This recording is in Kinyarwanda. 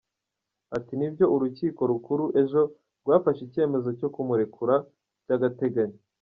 Ati “Nibyo, Urukiko Rukuru ejo rwafashe icyemezo cyo kumurekura by’agateganyo.